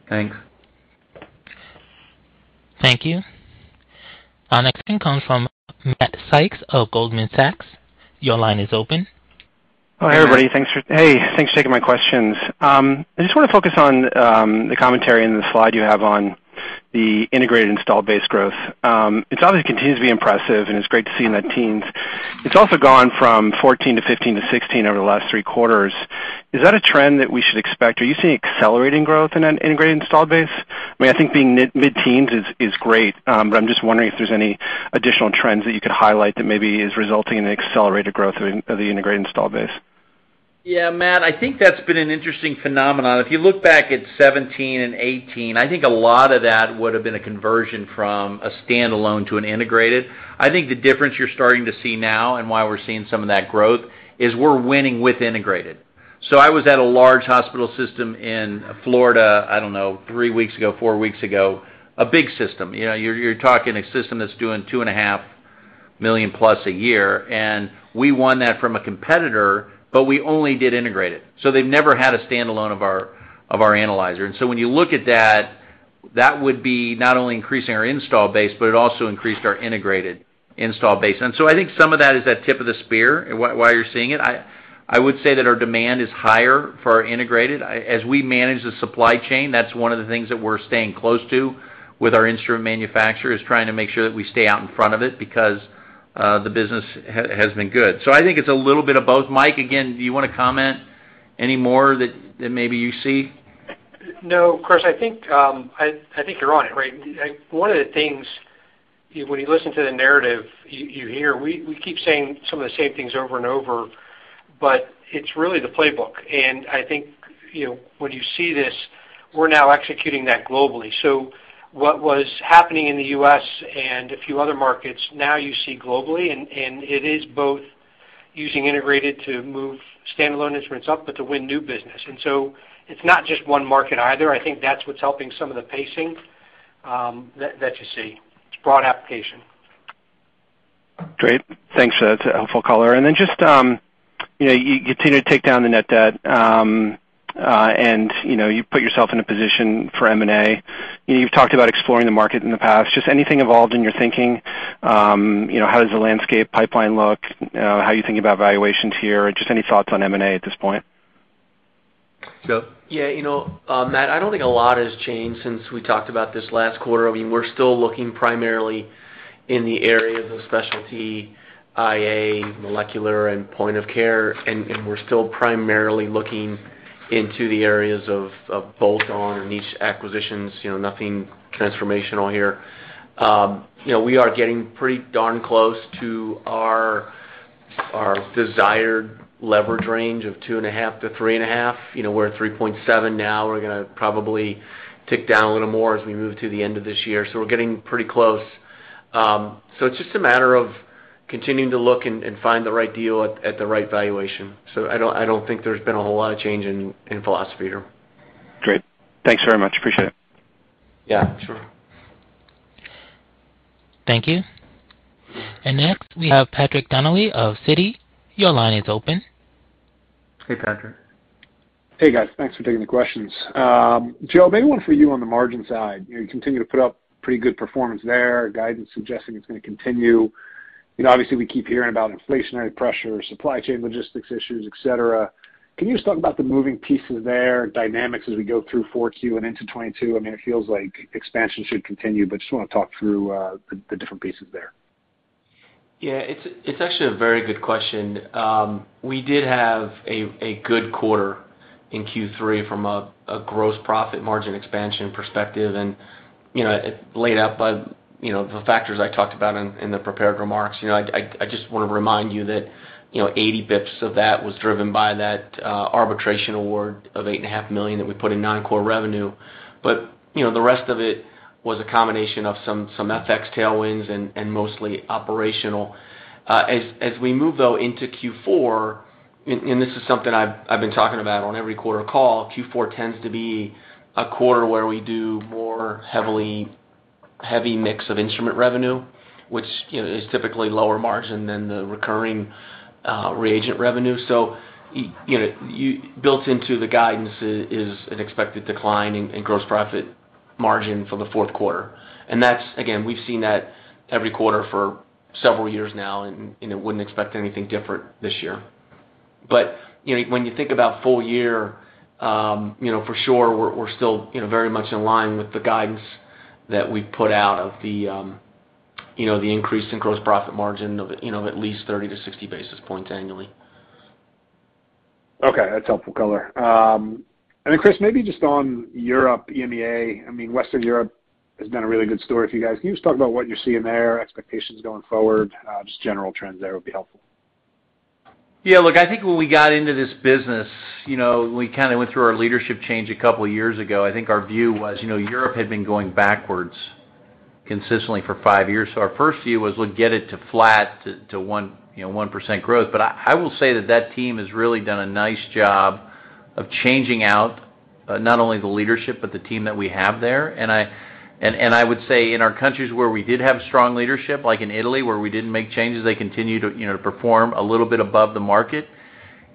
Speaker 3: Thanks.
Speaker 1: Thank you. Our next question comes from Matt Sykes of Goldman Sachs. Your line is open.
Speaker 9: Hi, everybody. Thanks for taking my questions. I just want to focus on the commentary in the slide you have on the integrated install base growth. It's obviously continues to be impressive, and it's great to see in the teens. It's also gone from 14 to 15 to 16 over the last three quarters. Is that a trend that we should expect? Are you seeing accelerating growth in an integrated install base? I mean, I think being mid-teens is great, but I'm just wondering if there's any additional trends that you could highlight that maybe is resulting in an accelerated growth of the integrated install base.
Speaker 3: Yeah, Matt, I think that's been an interesting phenomenon. If you look back at 2017 and 2018, I think a lot of that would have been a conversion from a standalone to an integrated. I think the difference you're starting to see now and why we're seeing some of that growth is we're winning with integrated. I was at a large hospital system in Florida, I don't know, three weeks ago, four weeks ago, a big system. You know, you're talking a system that's doing 2.5 million+ a year, and we won that from a competitor, but we only did integrated. They've never had a standalone of our analyzer. When you look at that would be not only increasing our install base, but it also increased our integrated install base. I think some of that is that tip of the spear why you're seeing it. I would say that our demand is higher for our integrated. As we manage the supply chain, that's one of the things that we're staying close to with our instrument manufacturer, is trying to make sure that we stay out in front of it because the business has been good. I think it's a little bit of both. Mike, again, do you want to comment any more that maybe you see?
Speaker 7: No, Chris, I think you're on it, right? One of the things when you listen to the narrative, you hear we keep saying some of the same things over and over, but it's really the playbook. I think, you know, when you see this, we're now executing that globally. What was happening in the U.S. and a few other markets, now you see globally, and it is both using integrated to move standalone instruments up, but to win new business. It's not just one market either. I think that's what's helping some of the pacing that you see. It's broad application.
Speaker 9: Great. Thanks. That's a helpful color. Then just, you know, you continue to take down the net debt, and, you know, you put yourself in a position for M&A. You've talked about exploring the market in the past. Just anything evolved in your thinking, you know, how does the landscape pipeline look, I don't know, how you think about valuations here? Just any thoughts on M&A at this point?
Speaker 3: Joe?
Speaker 4: Yeah. You know, Matt, I don't think a lot has changed since we talked about this last quarter. I mean, we're still looking primarily in the areas of specialty IA, molecular, and point of care, and we're still primarily looking into the areas of bolt-on and niche acquisitions, you know, nothing transformational here. You know, we are getting pretty darn close to our desired leverage range of 2.5-3.5. You know, we're at 3.7 now. We're going to probably tick down a little more as we move to the end of this year. We're getting pretty close. So it's just a matter of continuing to look and find the right deal at the right valuation. I don't think there's been a whole lot of change in philosophy here.
Speaker 9: Great. Thanks very much. Appreciate it.
Speaker 3: Yeah, sure.
Speaker 1: Thank you. Next, we have Patrick Donnelly of Citi. Your line is open.
Speaker 3: Hey, Patrick.
Speaker 10: Hey, guys. Thanks for taking the questions. Joe, maybe one for you on the margin side. You continue to put up pretty good performance there, guidance suggesting it's going to continue. You know, obviously, we keep hearing about inflationary pressure, supply chain logistics issues, et cetera. Can you just talk about the moving pieces there, dynamics as we go through Q4 and into 2022? I mean, it feels like expansion should continue, but just want to talk through the different pieces there.
Speaker 4: Yeah, it's actually a very good question. We did have a good quarter in Q3 from a gross profit margin expansion perspective and, you know, laid out by, you know, the factors I talked about in the prepared remarks. You know, I just want to remind you that, you know, 80 basis points of that was driven by that arbitration award of $8.5 million that we put in non-core revenue. You know, the rest of it was a combination of some FX tailwinds and mostly operational. As we move, though, into Q4, and this is something I've been talking about on every quarter call, Q4 tends to be a quarter where we do heavy mix of instrument revenue, which, you know, is typically lower margin than the recurring reagent revenue. You know, built into the guidance is an expected decline in gross profit margin for the Q4. That's again, we've seen that every quarter for several years now and, you know, wouldn't expect anything different this year. You know, when you think about full year, you know, for sure we're still, you know, very much in line with the guidance that we put out of the the increase in gross profit margin of at least 30-60 basis points annually.
Speaker 10: Okay, that's helpful color. Chris, maybe just on Europe, EMEA. I mean, Western Europe has been a really good story for you guys. Can you just talk about what you're seeing there, expectations going forward? Just general trends there would be helpful.
Speaker 3: Yeah. Look, I think when we got into this business, you know, we kind of went through our leadership change a couple years ago. I think our view was, you know, Europe had been going backwards consistently for five years. Our first view was we'll get it to flat to 1% growth. I will say that team has really done a nice job of changing out not only the leadership but the team that we have there. I would say in our countries where we did have strong leadership, like in Italy, where we didn't make changes, they continue to, you know, perform a little bit above the market.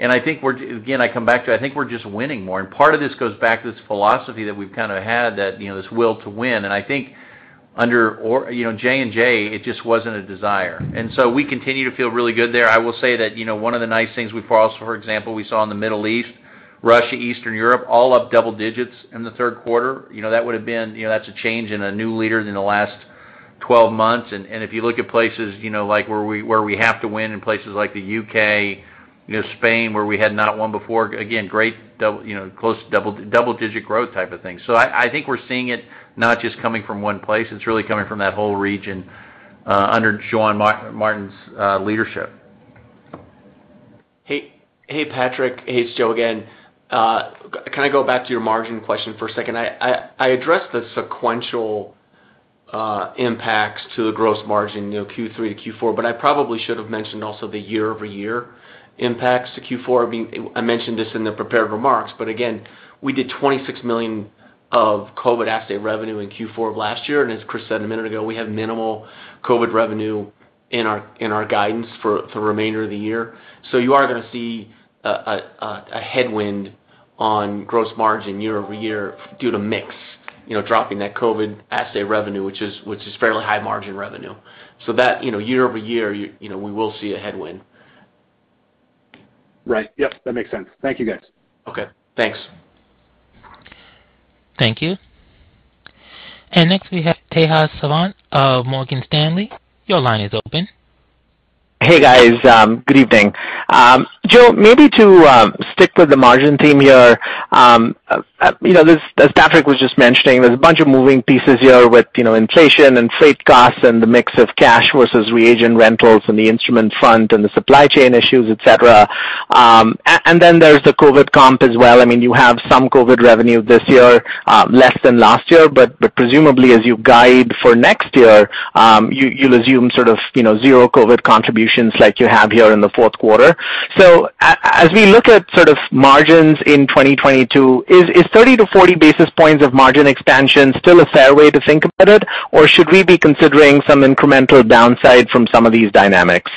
Speaker 3: I think we're again, I come back to. I think we're just winning more. Part of this goes back to this philosophy that we've kind of had that, you know, this will to win. I think under J&J, it just wasn't a desire. We continue to feel really good there. I will say that, you know, one of the nice things we've also, for example, we saw in the Middle East, Russia, Eastern Europe, all up double digits in the Q3. You know, that would have been, you know, that's a change in a new leader in the last twelve months. If you look at places, you know, like where we have to win in places like the U.K., you know, Spain, where we had not won before, again, great double, you know, close double-digit growth type of thing. I think we're seeing it, not just coming from one place, it's really coming from that whole region under Joan Martin's leadership.
Speaker 4: Hey, Patrick. Hey, it's Joe again. Can I go back to your margin question for a second? I addressed the sequential impacts to the gross margin, you know, Q3 to Q4, but I probably should have mentioned also the year-over-year impacts to Q4. I mean, I mentioned this in the prepared remarks, but again, we did $26 million of COVID assay revenue in Q4 of last year. And as Chris said a minute ago, we have minimal COVID revenue in our guidance for remainder of the year. You are going to see a headwind on gross margin year-over-year due to mix, you know, dropping that COVID assay revenue, which is fairly high margin revenue. That, you know, year-over-year, you know, we will see a headwind.
Speaker 6: Right. Yep, that makes sense. Thank you, guys.
Speaker 4: Okay, thanks.
Speaker 1: Thank you. Next, we have Tejas Savant of Morgan Stanley. Your line is open.
Speaker 11: Hey, guys, good evening. Joe, maybe to stick with the margin theme here. You know, this, as Patrick was just mentioning, there's a bunch of moving pieces here with, you know, inflation and freight costs and the mix of cash versus reagent rentals and the instrument front and the supply chain issues, et cetera. And then there's the COVID comp as well. I mean, you have some COVID revenue this year, less than last year. But presumably, as you guide for next year, you'll assume sort of, you know, zero COVID contributions like you have here in the Q4. So as we look at sort of margins in 2022, is 30-40 basis points of margin expansion still a fair way to think about it? Should we be considering some incremental downside from some of these dynamics?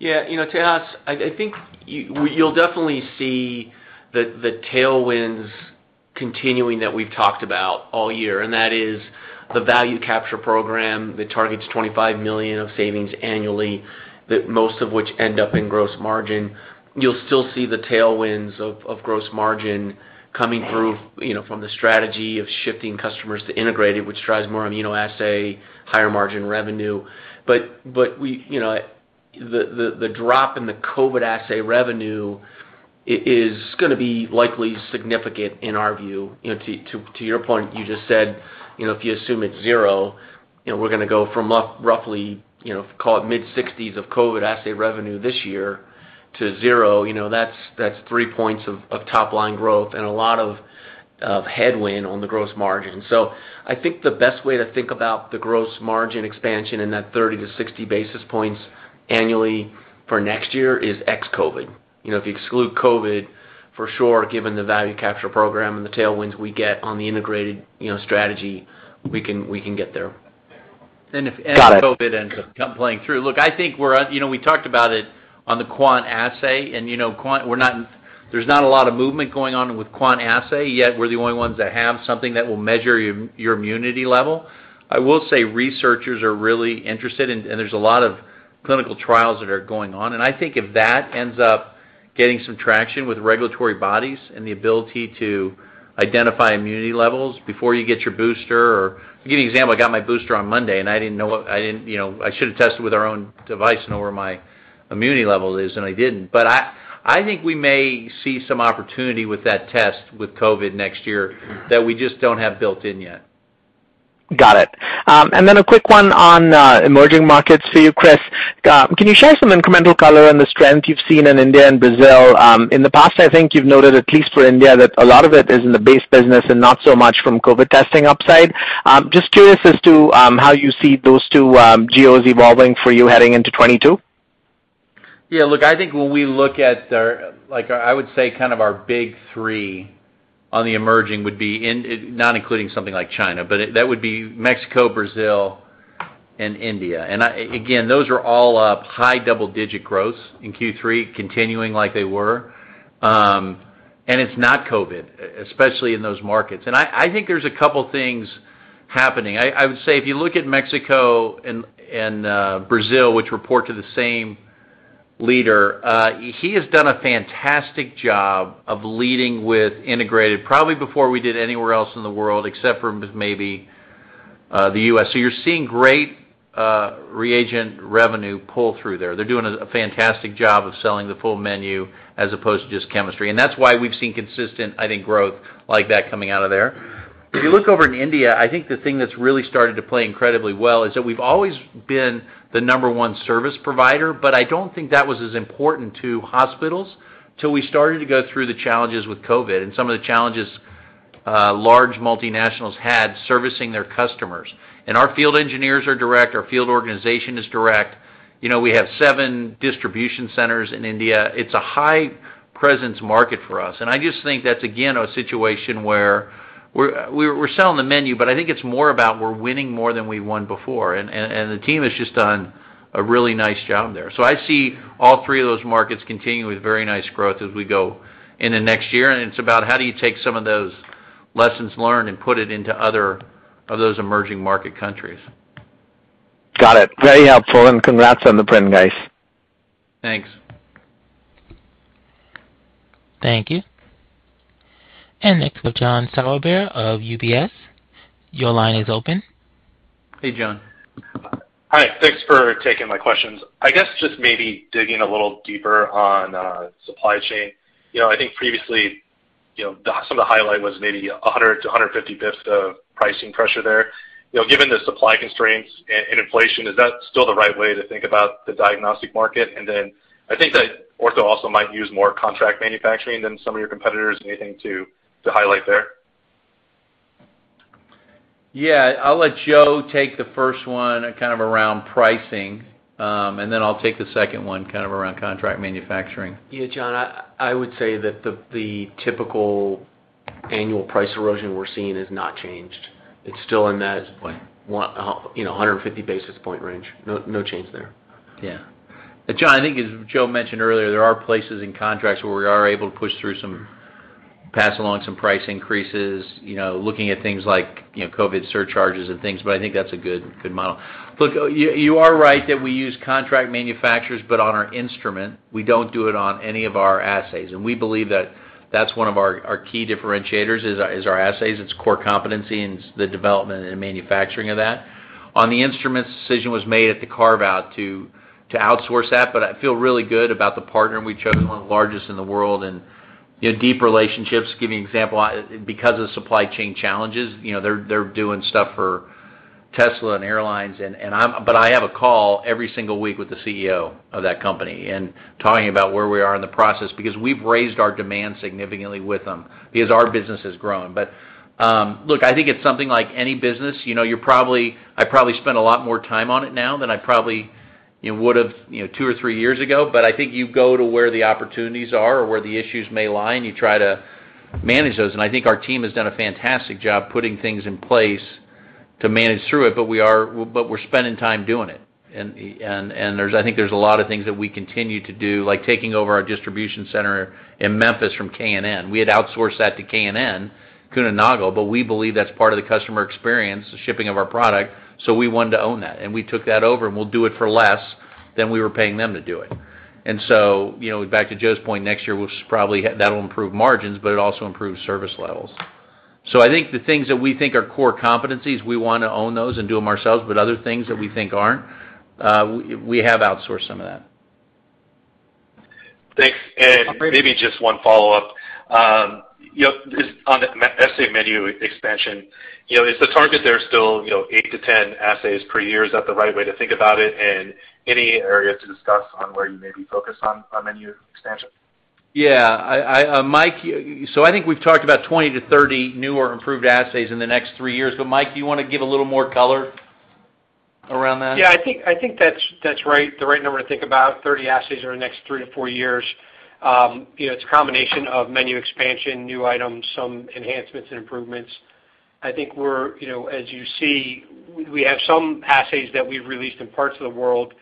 Speaker 4: Yeah. You know, Tejas, I think you'll definitely see the tailwinds continuing that we've talked about all year, and that is the value capture program that targets $25 million of savings annually, that most of which end up in gross margin. You'll still see the tailwinds of gross margin coming through, you know, from the strategy of shifting customers to integrated, which drives more immunoassay, higher margin revenue. But we know, the drop in the COVID assay revenue is going to be likely significant in our view. You know, to your point, you just said, you know, if you assume it's zero, you know, we're going to go from up roughly, you know, call it mid-60s of COVID assay revenue this year to zero. You know, that's three points of top line growth and a lot of headwind on the gross margin. I think the best way to think about the gross margin expansion in that 30-60 basis points annually for next year is ex-COVID. You know, if you exclude COVID, for sure, given the Value Capture Program and the tailwinds we get on the integrated strategy, we can get there.
Speaker 3: If COVID ends up playing through. Look, I think we're, you know, we talked about it on the quant assay. You know, quant, we're not, there's not a lot of movement going on with quant assay, yet we're the only ones that have something that will measure your immunity level. I will say researchers are really interested and there's a lot of clinical trials that are going on. I think if that ends up getting some traction with regulatory bodies and the ability to identify immunity levels before you get your booster. To give you an example, I got my booster on Monday, and I didn't know what, I didn't, you know, I should have tested with our own device to know where my immunity level is, and I didn't. I think we may see some opportunity with that test with COVID next year that we just don't have built in yet.
Speaker 11: Got it. A quick one on emerging markets for you, Chris. Can you share some incremental color on the strength you've seen in India and Brazil? In the past I think you've noted, at least for India, that a lot of it is in the base business and not so much from COVID testing upside. Just curious as to how you see those two geos evolving for you heading into 2022.
Speaker 3: Yeah. Look, I think when we look at like, I would say kind of our big three on the emerging would be, not including something like China, but that would be Mexico, Brazil, and India. Again, those are all up high double-digit growth in Q3, continuing like they were. It's not COVID, especially in those markets. I think there's a couple things happening. I would say if you look at Mexico and Brazil, which report to the same leader, he has done a fantastic job of leading with integrated, probably before we did anywhere else in the world, except for maybe the U.S. So you're seeing great reagent revenue pull through there. They're doing a fantastic job of selling the full menu as opposed to just chemistry. That's why we've seen consistent, I think, growth like that coming out of there. If you look over in India, I think the thing that's really started to play incredibly well is that we've always been the number one service provider, but I don't think that was as important to hospitals till we started to go through the challenges with COVID and some of the challenges large multinationals had servicing their customers. Our field engineers are direct, our field organization is direct. You know, we have seven distribution centers in India. It's a high presence market for us. I just think that's again a situation where we're selling the menu, but I think it's more about we're winning more than we won before. The team has just done a really nice job there. I see all three of those markets continuing with very nice growth as we go into next year. It's about how do you take some of those lessons learned and put it into other of those emerging market countries.
Speaker 11: Got it. Very helpful, and congrats on the print, guys.
Speaker 3: Thanks.
Speaker 1: Thank you. Next, we have John Sourbeer of UBS. Your line is open.
Speaker 3: Hey, John.
Speaker 12: Hi. Thanks for taking my questions. I guess just maybe digging a little deeper on supply chain. You know, I think previously, you know, some of the highlight was maybe 100-150 basis points of pricing pressure there. You know, given the supply constraints and inflation, is that still the right way to think about the diagnostic market? I think that Ortho also might use more contract manufacturing than some of your competitors. Anything to highlight there?
Speaker 3: Yeah. I'll let Joe take the first one kind of around pricing, and then I'll take the second one kind of around contract manufacturing.
Speaker 4: Yeah. John, I would say that the typical annual price erosion we're seeing has not changed. It's still in that.
Speaker 12: Right.
Speaker 4: You know, 150 basis point range. No, no change there.
Speaker 3: Yeah. John, I think, as Joe mentioned earlier, there are places in contracts where we are able to push through some, pass along some price increases, you know, looking at things like, you know, COVID surcharges and things, but I think that's a good model. Look, you are right that we use contract manufacturers, but on our instrument, we don't do it on any of our assays. We believe that that's one of our key differentiators, is our assays. It's core competency and the development and manufacturing of that. On the instruments, decision was made at the carve-out to outsource that, but I feel really good about the partner we chose, one of the largest in the world, and, you know, deep relationships. Give you an example. Because of supply chain challenges, you know, they're doing stuff for Tesla and airlines, but I have a call every single week with the CEO of that company and talking about where we are in the process because we've raised our demand significantly with them because our business has grown. Look, I think it's something like any business, you know, I probably spend a lot more time on it now than I probably, you know, would've, you know, two or three years ago. I think you go to where the opportunities are or where the issues may lie, and you try to manage those. I think our team has done a fantastic job putting things in place to manage through it, but we're spending time doing it. I think there's a lot of things that we continue to do, like taking over our distribution center in Memphis from Kuehne+Nagel. We had outsourced that to Kuehne+Nagel, but we believe that's part of the customer experience, the shipping of our product, so we wanted to own that. We took that over, and we'll do it for less than we were paying them to do it. You know, back to Joe's point, next year, we'll probably that'll improve margins, but it also improves service levels. I think the things that we think are core competencies, we want to own those and do them ourselves. Other things that we think aren't, we have outsourced some of that.
Speaker 12: Thanks. Maybe just one follow-up. Just on the assay menu expansion, is the target there still 8-10 assays per year? Is that the right way to think about it? Any area to discuss on where you may be focused on menu expansion?
Speaker 3: Yeah. Mike, so I think we've talked about 20-30 new or improved assays in the next three years. Mike, do you want to give a little more color around that?
Speaker 7: Yeah. I think that's right, the right number to think about, 30 assays over the next three to four years. You know, it's a combination of menu expansion, new items, some enhancements and improvements. I think we're, you know, as you see, we have some assays that we've released in parts of the world,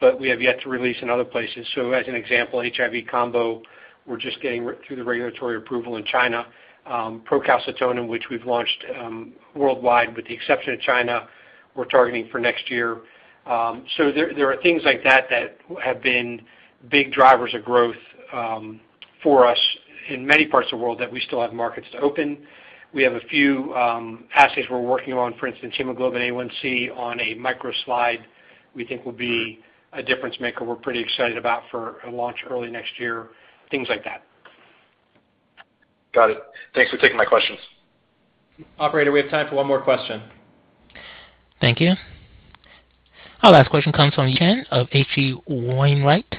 Speaker 7: but we have yet to release in other places. As an example, HIV Combo, we're just getting through the regulatory approval in China. Procalcitonin, which we've launched worldwide with the exception of China, we're targeting for next year. There are things like that that have been big drivers of growth for us in many parts of the world that we still have markets to open. We have a few assays we're working on, for instance, HbA1c on a MicroSlide we think will be a difference maker, we're pretty excited about for a launch early next year, things like that.
Speaker 12: Got it. Thanks for taking my questions.
Speaker 3: Operator, we have time for one more question.
Speaker 1: Thank you. Our last question comes from Yi Chen of H.C. Wainwright.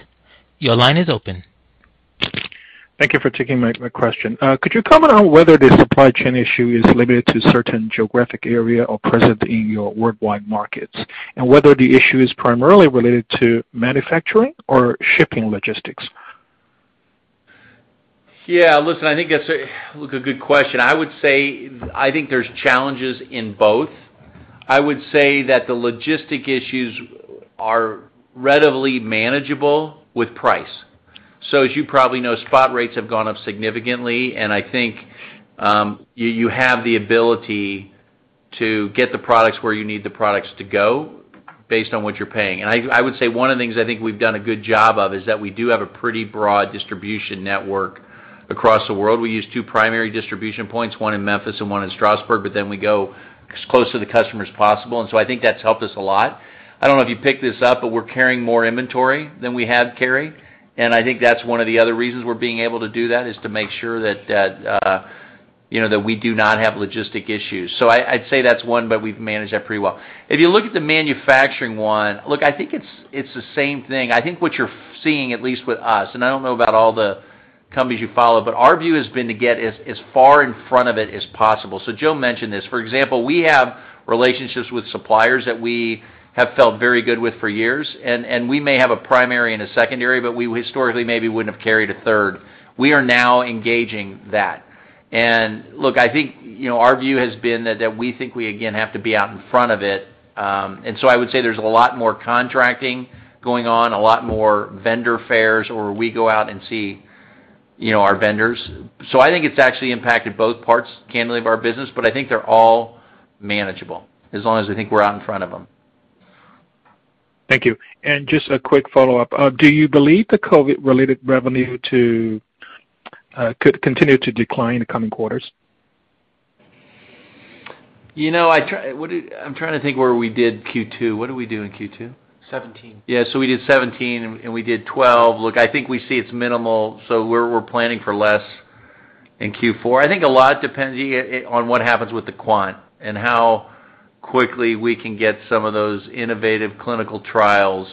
Speaker 1: Your line is open.
Speaker 13: Thank you for taking my question. Could you comment on whether the supply chain issue is limited to certain geographic area or present in your worldwide markets, and whether the issue is primarily related to manufacturing or shipping logistics?
Speaker 3: Listen, I think that's a good question. I would say I think there's challenges in both. I would say that the logistics issues are readily manageable with price. So as you probably know, spot rates have gone up significantly, and I think you have the ability to get the products where you need the products to go based on what you're paying. I would say one of the things I think we've done a good job of is that we do have a pretty broad distribution network across the world. We use two primary distribution points, one in Memphis and one in Strasbourg, but then we go as close to the customer as possible. I think that's helped us a lot. I don't know if you picked this up, but we're carrying more inventory than we had carried, and I think that's one of the other reasons we're being able to do that, is to make sure that, you know, that we do not have logistics issues. I'd say that's one, but we've managed that pretty well. If you look at the manufacturing one, look, I think it's the same thing. I think what you're seeing, at least with us, and I don't know about all the companies you follow, but our view has been to get as far in front of it as possible. Joe mentioned this. For example, we have relationships with suppliers that we have felt very good with for years, and we may have a primary and a secondary, but we historically maybe wouldn't have carried a third. We are now engaging that. Look, I think, you know, our view has been that we think we again have to be out in front of it. I would say there's a lot more contracting going on, a lot more vendor fairs where we go out and see, you know, our vendors. I think it's actually impacted both parts, candidly, of our business, but I think they're all manageable as long as I think we're out in front of them.
Speaker 13: Thank you. Just a quick follow-up. Do you believe the COVID-related revenue could continue to decline in the coming quarters?
Speaker 3: You know, I'm trying to think where we did Q2. What did we do in Q2?
Speaker 4: 17.
Speaker 3: We did 17 and we did 12. Look, I think we see it's minimal, so we're planning for less in Q4. I think a lot depends, yeah, on what happens with the quant and how quickly we can get some of those innovative clinical trials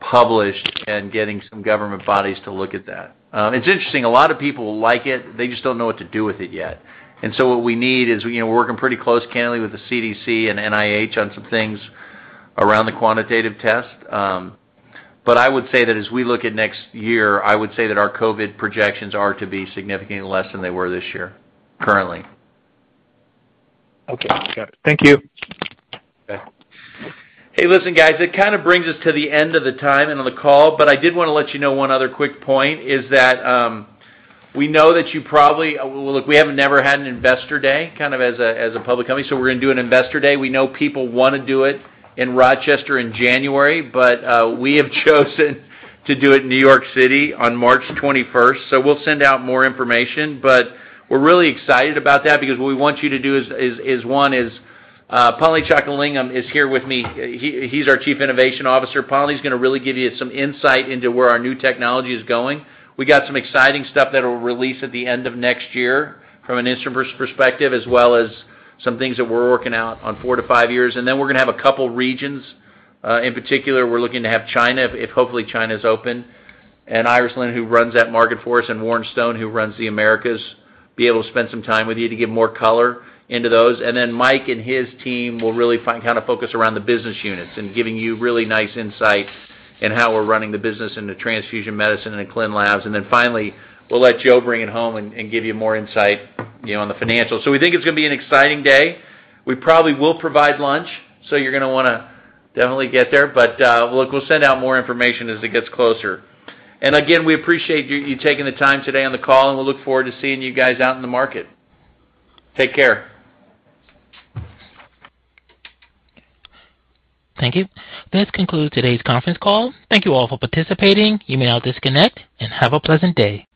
Speaker 3: published and getting some government bodies to look at that. It's interesting. A lot of people like it. They just don't know what to do with it yet. What we need is, you know, we're working pretty close, candidly, with the CDC and NIH on some things around the quantitative test. But I would say that as we look at next year, I would say that our COVID projections are to be significantly less than they were this year, currently.
Speaker 13: Okay. Got it. Thank you.
Speaker 3: Okay. Hey, listen, guys, it kind of brings us to the end of the time and on the call, but I did want to let you know one other quick point, is that we have never had an investor day kind of as a public company, so we're going to do an investor day. We know people want to do it in Rochester in January, but we have chosen to do it in New York City on March 21. So we'll send out more information. We're really excited about that because what we want you to do is, one is, Pali Chockalingam is here with me. He's our Chief Innovation Officer. Pali's going to really give you some insight into where our new technology is going. We got some exciting stuff that'll release at the end of next year from an instruments perspective, as well as some things that we're working out on four to five years. We're going to have a couple regions. In particular, we're looking to have China, if hopefully China's open, and Iris, who runs that market for us, and Warren Stone, who runs the Americas, be able to spend some time with you to give more color into those. Mike and his team will really kind of focus around the business units and giving you really nice insight in how we're running the business in the transfusion medicine and the clinic labs. Finally, we'll let Joe bring it home and give you more insight, you know, on the financials. We think it's going to be an exciting day. We probably will provide lunch, so you're going to want to definitely get there. Look, we'll send out more information as it gets closer. Again, we appreciate you taking the time today on the call, and we look forward to seeing you guys out in the market. Take care.
Speaker 1: Thank you. This concludes today's conference call. Thank you all for participating. You may now disconnect and have a pleasant day.